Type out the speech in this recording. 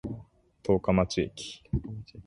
十日町駅